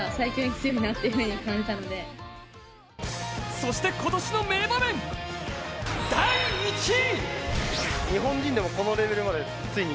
そして今年の名場面第１位。